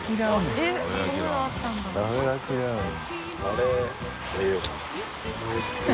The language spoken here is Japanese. あれ。